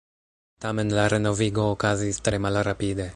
Tamen la renovigo okazis tre malrapide.